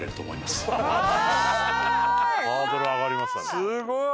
すごい。